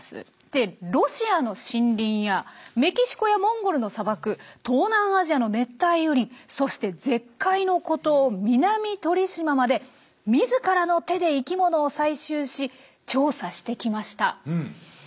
でロシアの森林やメキシコやモンゴルの砂漠東南アジアの熱帯雨林そして絶海の孤島南鳥島まで自らの手で生きものを採集し調査してきました。